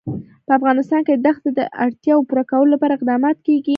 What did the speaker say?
په افغانستان کې د دښتې د اړتیاوو پوره کولو لپاره اقدامات کېږي.